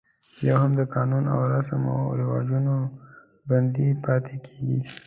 یو هم د قانون او رسم و رواجونو بندي پاتې کېږي.